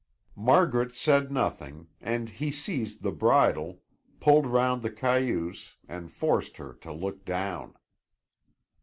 Margaret said nothing and he seized the bridle, pulled 'round the cayuse, and forced her to look down.